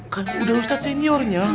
kan udah ustadz seniornya